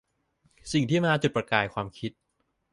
สิ่งที่มาจุดประกายความคิด